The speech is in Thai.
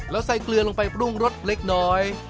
แล้วใส่เกลือลงไปปรุงรสเล็กน้อย